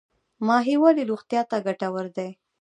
ماهي ولې روغتیا ته ګټور دی؟